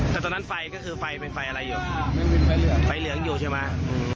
แต่ตอนนั้นไฟก็คือไฟเป็นไฟอะไรอยู่ไฟเหลืองอยู่ใช่ไหม